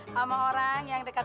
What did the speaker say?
sama orang yang dekat